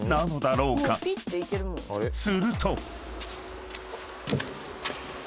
［すると］